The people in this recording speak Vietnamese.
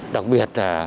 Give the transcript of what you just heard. đặc biệt là